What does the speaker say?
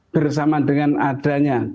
bersama dengan adanya